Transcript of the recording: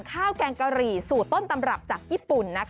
แกงกะหรี่สูตรต้นตำรับจากญี่ปุ่น